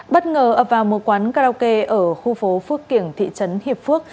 bất ngờ vào mùa quán karaoke ở khu phố phước kiểng thị trấn hiệp phước